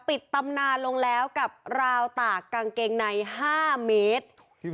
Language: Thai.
ปิดตำนานลงแล้วกับราวตากกางเกงใน๕เมตร